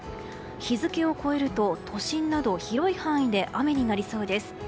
日付を超えると都心など広い範囲で雨になりそうです。